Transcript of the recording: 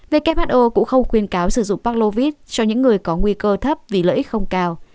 who cũng không khuyên cáo sử dụng parklovis cho những người có nguy cơ thấp vì lợi ích không cao